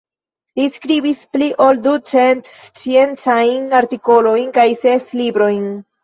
Li skribis pli ol du cent sciencajn artikolojn kaj ses librojn.